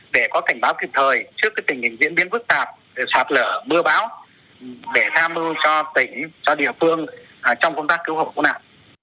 để có cảnh báo kịp thời trước tình hình diễn biến phức tạp sạt lở mưa báo để tha mưu cho tỉnh cho địa phương trong công tác cứu hộ của nạn